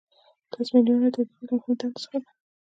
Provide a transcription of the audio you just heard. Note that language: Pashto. تصمیم نیونه د ادارې له مهمو دندو څخه ده.